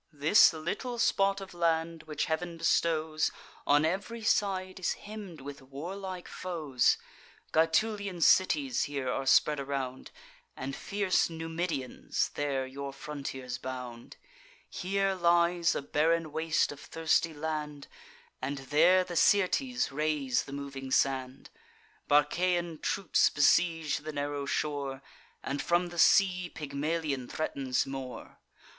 This little spot of land, which Heav'n bestows, On ev'ry side is hemm'd with warlike foes; Gaetulian cities here are spread around, And fierce Numidians there your frontiers bound; Here lies a barren waste of thirsty land, And there the Syrtes raise the moving sand; Barcaean troops besiege the narrow shore, And from the sea Pygmalion threatens more.